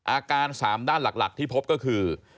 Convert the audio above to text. อาการ๓ด้านหลักที่พบก็คือ